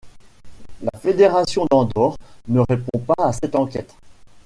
La Fédération d'Andorre ne répond pas à cette enquête.